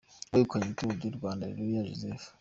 Uwegukanye Turu di Rwanda: Areruya Jozefu